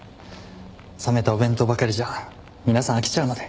冷めたお弁当ばかりじゃ皆さん飽きちゃうので。